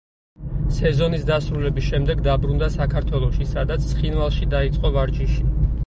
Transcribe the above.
სეზონის დასრულების შემდეგ დაბრუნდა საქართველოში, სადაც „ცხინვალში“ დაიწყო ვარჯიში.